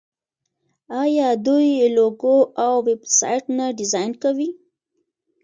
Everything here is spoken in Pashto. آیا دوی لوګو او ویب سایټ نه ډیزاین کوي؟